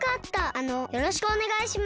あのよろしくおねがいします。